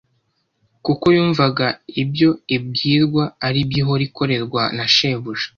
kuko yumvaga ibyo ibwirwa ari byo ihora ikorerwa na shebuja